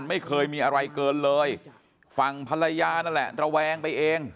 ไม่เคยมีอะไรเกินเลยฝั่งภรรยานั่นแหละระแวงไปเอง